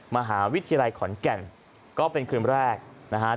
มหาวิทยาลัยขอนแก่นก็เป็นคืนแรกนะฮะ